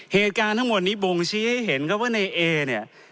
เหตุการณ์ทั้งหมดนี้บ่งชี้ให้เห็นครับว่าในเอเนี่ย